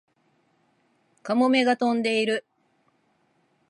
カモメが飛んでいる